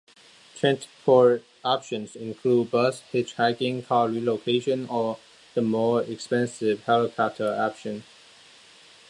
Transport options include bus, hitchhiking, car relocation or the more expensive helicopter option.